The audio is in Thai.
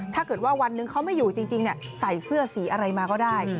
ถ้าเกิดว่าวันหนึ่งเขาไม่อยู่จริงใส่เสื้อสีอะไรมาก็ได้